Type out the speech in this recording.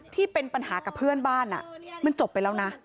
ที่เป็นปัญหากับเพื่อนบ้านมันจบไปแล้วนะ